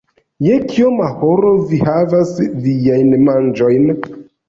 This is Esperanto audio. Je kioma horo vi havas viajn manĝojn?